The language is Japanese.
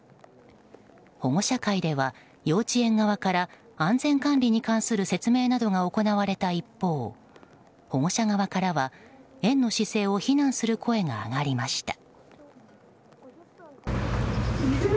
保護者会では幼稚園側から安全管理に関する説明などが行われた一方保護者側からは園の姿勢を非難する声が上がりました。